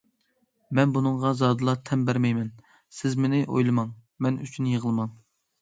مەن بۇنىڭغا زادىلا تەن بەرمەيمەن... سىز مېنى ئويلىماڭ مەن ئۈچۈن يىغلىماڭ.